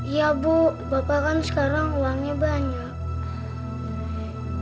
iya bu bapak kan sekarang uangnya banyak